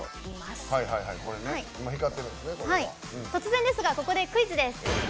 ここで突然ですがここでクイズです！